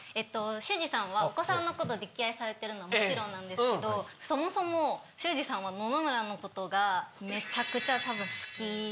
修士さんはお子さんのこと溺愛されてるのはもちろんなんですけどそもそも修士さんは野々村のことが多分。